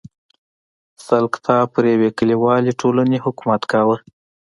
سلکتا پر یوې کلیوالې ټولنې حکومت کاوه.